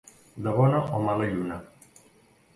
De bona o mala lluna.